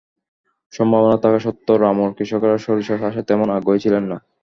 সম্ভাবনা থাকা সত্ত্বেও রামুর কৃষকেরা সরিষা চাষে তেমন আগ্রহী ছিলেন না।